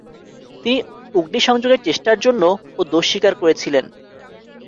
তিনি অগ্নিসংযোগের চেষ্টার জন্য ও দোষ স্বীকার করেছিলেন।